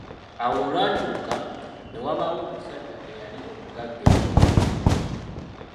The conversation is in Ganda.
Awo olwatuuka, ne wabaawo omusajja eyali omugagga ennyo.